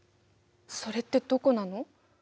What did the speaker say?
それってどこなの？